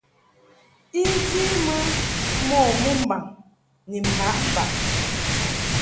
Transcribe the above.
I vi mɨ mo mɨmbaŋ ni mbaʼmbaʼ.